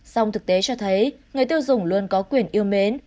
song thực tế cho thấy người tiêu dùng luôn có quyền yêu mến